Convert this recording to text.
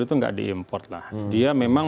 itu nggak diimport lah dia memang